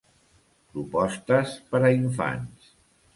Propostes per a infants.